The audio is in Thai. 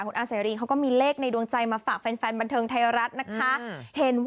วัดนี้ก็สร้างมา๙ปีแล้ว